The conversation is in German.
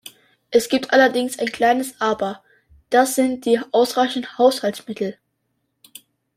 Es gibt allerdings ein kleines Aber, das sind die ausreichenden Haushaltsmittel.